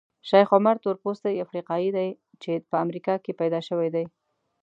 شیخ عمر تورپوستی افریقایي دی چې په امریکا کې پیدا شوی دی.